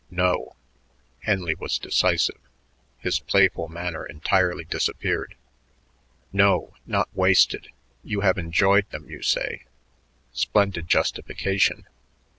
"No." Henley was decisive. His playful manner entirely disappeared. "No, not wasted. You have enjoyed them, you say. Splendid justification.